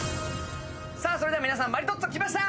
さあ皆さんマリトッツォ来ました！